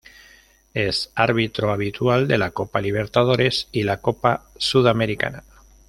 Es árbitro habitual de la Copa Libertadores y la Copa Sudamericana.